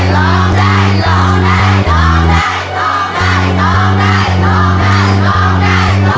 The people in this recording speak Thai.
ร้องได้ร้องได้